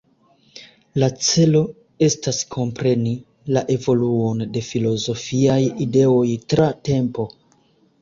La celo estas kompreni la evoluon de filozofiaj ideoj tra tempo.